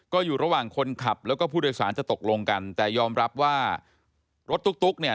ก็อยู่ระหว่างคนขับแล้วก็ผู้โดยสารจะตกลงกันแต่ยอมรับว่ารถตุ๊กเนี่ย